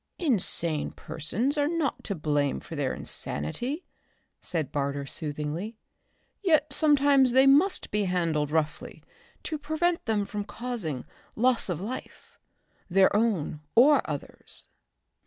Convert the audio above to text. "Insane persons are not to blame for their insanity," said Barter soothingly. "Yet sometimes they must be handled roughly to prevent them from causing loss of life, their own or others."